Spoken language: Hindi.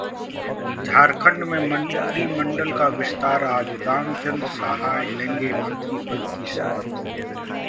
झारखंड में मंत्रिमंडल का विस्तार आज, रामचंद्र सहाय लेंगे मंत्री पद की शपथ